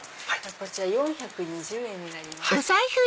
こちら４２０円になります。